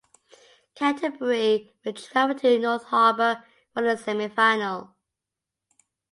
Canterbury would travel to North Harbour for the semi-final.